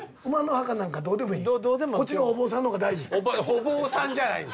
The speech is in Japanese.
お坊さんじゃない。